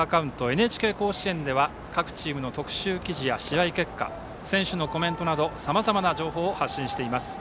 「ＮＨＫ甲子園」では各チームの特集記事や試合結果、選手のコメントなどさまざまな情報を発信しています。